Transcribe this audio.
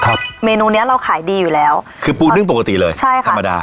ครับเมนูเนี้ยเราขายดีอยู่แล้วคือปูนึ่งปกติเลยใช่ค่ะธรรมดา